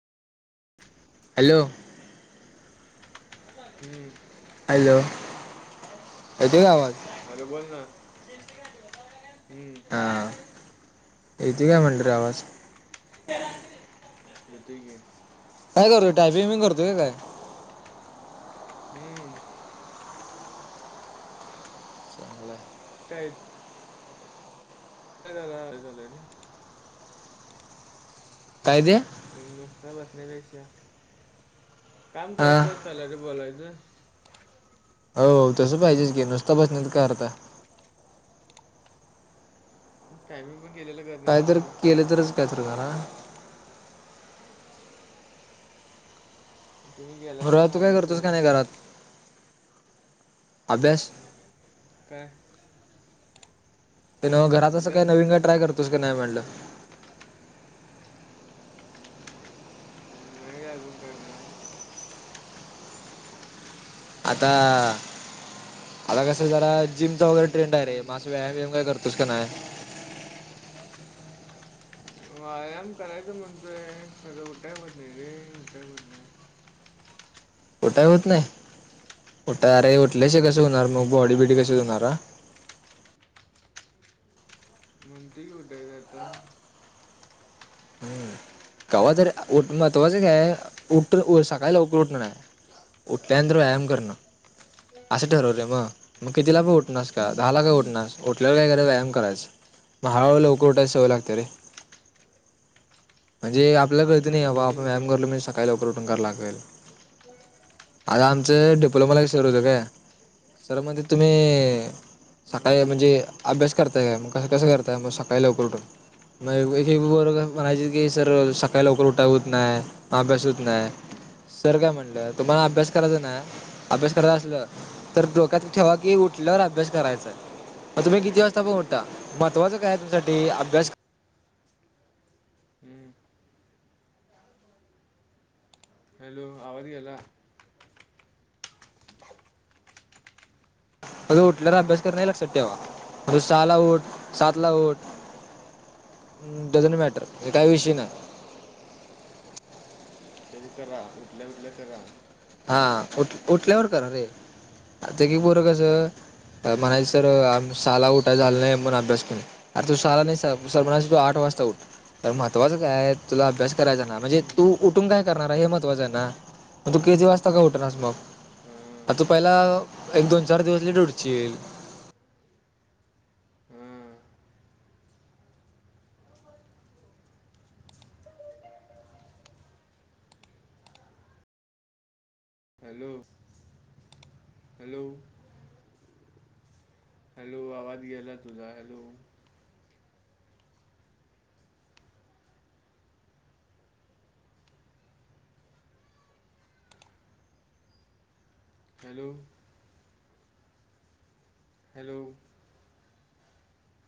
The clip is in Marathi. हॅलो. हम्म. हॅलो, येतोय की नाय आवाज? हॅलो बोल ना हम्म. हा, येते काय म्हटलं आवाज? ह [inaudible] येतोय की. काय करतो टयपिंग मी करतोय काय? हम्म. चांगलंय [inaudible] काय? ह झाला आहे झालं [unintelligible] काय ते? नुसता बसण्या पेशा काम हा करत, करत चालय रे बोलायचं. हो तसं पाहिजेच की नुसता बसण्यात काय अर्थ आहे. टायमिंग पण केले कळते काय ना तर कसं केलं टायमिंग तरच केेयला. काय तर करा आणि तुम्ही गेलाय का म ना तू काय अभ्यास करतोस का करायला नाही घरात अभ्यास? काय? ते नवं घरात असं काही अभ्यास नवीन का ट्रय करतोस का नाही म्हणलं? नाही काजुन, काय करा? आता, आता कस जरा जिमच ट्रेंड आहे रे हम्म अस व्यायाम व्यायाम काय करतो तोस का नाय? व्यायाम करायचा म्हणतोय खगळं उठाय म्हटलं नाही रे उठाय म्हट नाही [unintelligible] उठाया होत नाही उठं अरे उठलेशी कसं हां होणार मग बॉडी बिडी कसच होणार हा? मग तेच म्हटलं [unintelligible] हम्म. कव्हा तर महत्वाच काय उठ सकाळी लवकर उठणार आहे. उठल्या नंतर व्यायाम करण. असं ठरवन मग, मग कितीला पण हम्म उठणारस का दहा ला उठणारस उठल्यावर काय करायचं व्यायाम करायचा. [unintelligible] लवकर उठायची सवय लागते रे. म्हणजे आपल्याला कळती आता नाही बा बघूया आपण मॅम करलो मी उद्यापासून सकाळी लवकर उठून कराय लागल. आता हां आमचं डिप्लोमाला सर होत काय सर म्हणतात तुम्ही हां सकाळी म्हणजे अभ्यास करताय काय मग कसं, कसं करताय मग सकाळी लवकर उठून. नाही होय की [unintelligible] पाहिजे. की सर सकाळी लवकर उठाय होत नाही, अभ्यास होत नाही. सर काय म्हणटल्यात तुम्हांला हां अभ्यास करायचा ना, अभ्यास करायचा असलं तर डोक्यात ठेवा की, उठल्यावर अभ्यास करायचं. मग तुम्हीं किती वाजता पण उठा, महत्वाचं काय तुमच्यासाठी अभ्यास हूं.. हॅलो, आवाज गेला. फक्त उठल्यावर अभ्यास करणे हे लक्षात ठेवा म्हणजे सहाला उठ, सातला उठ, डझंट मॅटर हे काही विषय हम्म नाही. ते बी करा, उठल्या -उठल्या करा. हा उठ उठल्यावर करा रे, सगळी पोरं कसं अं म्हणायची सर सहाला उठाय झालं नाही म्हणून अभ्यास केला नाही. अरे तू सहाला नाही, स सर म्हणायचे तू आठ वाजता उठ, - तर महत्वाचं काय तुला अभ्यास करायचा ना, म्हणजे हम्म तू उठून काय करणार हे महत्वाचं आहे ना, मग तू किती वाजता का उठणास मग आ हां तू पहिला एक -दोन चार दिवस लेट उटचील हां हॅलो. हॅलो. हॅलो, आवाज गेला तुझा हॅलो. हॅलो. हॅलो.